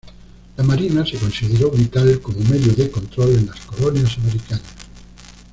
La Marina se consideró vital como medio de control de las colonias americanas.